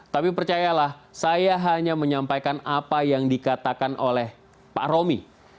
tapi percayalah saya hanya menyampaikan apa yang dikatakan oleh pak romi